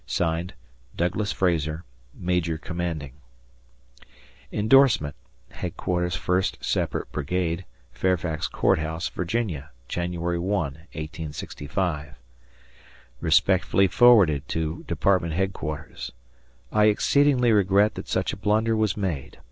(Signed) Douglas Frazar, Major Commanding. [Indorsement] Headquarters First Separate Brigade, Fairfax C. H., Va., Jan. 1, 1865. Respectfully forwarded to department headquarters. I exceedingly regret that such a blunder was made.